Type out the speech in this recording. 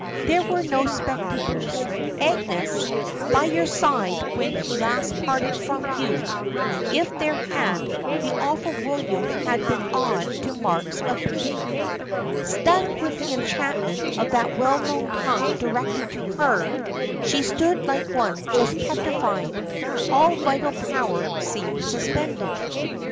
There were no spectators, Agnes, by your side when last he parted from you: if there had, the awful William had been awed to marks of pity. Stunned with the enchantment of that well known tongue directed to her, she stood like one just petrified all vital power seemed suspended.